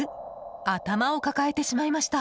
頭を抱えてしまいました。